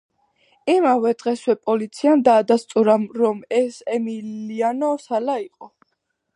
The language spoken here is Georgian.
იმავე დღესვე პოლიციამ დაადასტურა, რომ ეს ემილიანო სალა იყო.